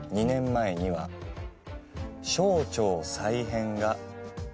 ２年前には省庁再編が。